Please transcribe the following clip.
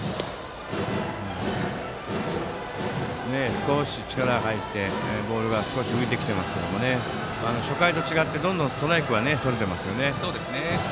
少し力が入ってボールが少し浮いてきてますが初回と違ってどんどんストライクはとれています。